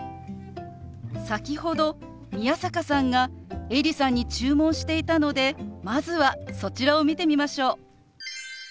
先ほど宮坂さんがエリさんに注文していたのでまずはそちらを見てみましょう。